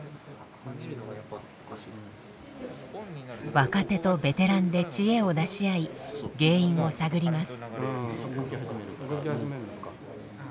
若手とベテランで知恵を出し合い原因を探ります。